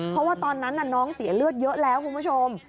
เพราะว่าตอนนั้นน้องเสียเลือดเยอะแล้วคุณผู้ชม